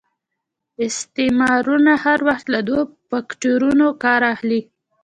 استعمارونه هر وخت له دوه فکټورنو کار اخلي.